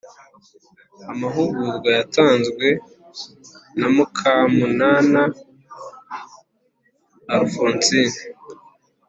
amahugurwa yatanzwe na mukamunana alphonsine,